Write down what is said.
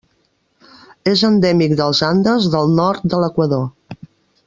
És endèmic dels Andes del nord de l'Equador.